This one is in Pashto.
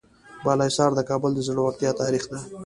بالاحصار د کابل د زړورتیا تاریخ ده.